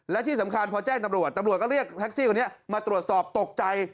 และที่สำคัญพอแจ้งตำรวจตำรวจก็เรียกแท็กซี่คนนี้มาตรวจสอบตกใจ